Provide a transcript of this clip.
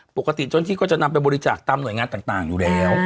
ปกติเจ้าหน้าที่ก็จะนำไปบริจาคตามหน่วยงานต่างอยู่แล้ว